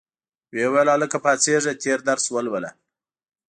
ویې ویل هلکه پاڅیږه تېر درس ولوله.